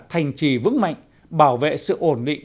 thành trì vững mạnh bảo vệ sự ổn định